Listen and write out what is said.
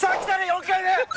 ４回目！